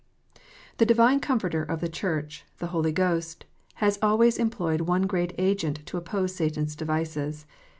The Divine Comforter of the Church, the Holy Ghost, has always employed one great agent to oppose Satan s devices.